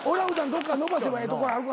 どっか伸ばせばええとこあるかな？